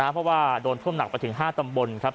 เพราะว่าโดนท่วมหนักไปถึง๕ตำบลครับ